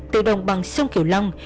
từ đồng bằng sông kiểu long